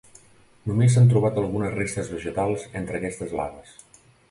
Només s'han trobat algunes restes vegetals entre aquestes laves.